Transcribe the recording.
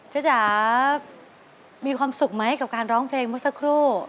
จ๋ามีความสุขไหมกับการร้องเพลงเมื่อสักครู่